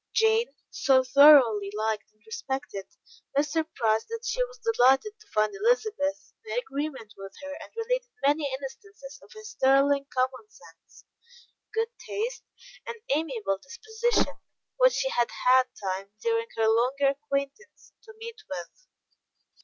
Jane so thoroughly liked and respected Mr. Price that she was delighted to find Elizabeth in agreement with her and related many instances of his sterling common sense, good taste, and amiable disposition, which she had had time, during her longer acquaintance, to meet with.